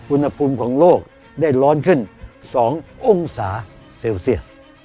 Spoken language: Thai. อุณหภูมิของโลกได้ร้อนขึ้น๒องศาเซลเซียส